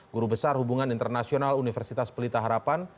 guru besar hubungan internasional universitas pelita harapan